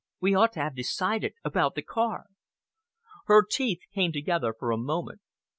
We ought to have decided about the car." Her teeth came together for a moment.